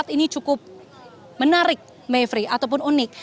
ini cukup menarik mevri ataupun unik